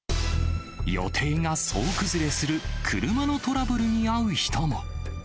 予定が総崩れする車のトラブルに遭う人も。